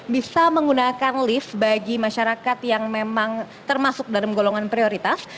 bisa menggunakan lift bagi masyarakat yang memang termasuk dalam golongan prioritas